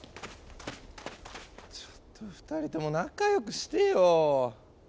ちょっと２人とも仲良くしてよ。